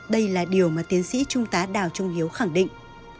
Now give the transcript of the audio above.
đây là điều mà tiến sĩ trung tá đào trung hiếu khẳng định